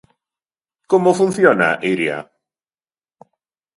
Como funciona, Iria?